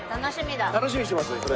楽しみにしてますねそれ。